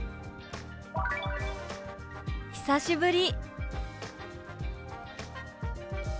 「久しぶり」。